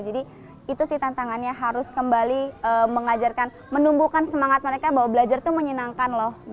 jadi itu sih tantangannya harus kembali mengajarkan menumbuhkan semangat mereka bahwa belajar itu menyenangkan loh